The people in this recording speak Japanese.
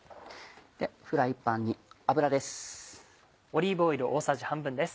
フライパンに油です。